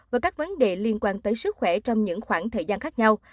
và các vấn đề liên quan tới sức khỏe trong những khoảng thời gian khác nhau